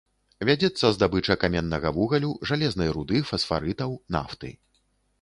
Вядзецца здабыча каменнага вугалю, жалезнай руды, фасфарытаў, нафты.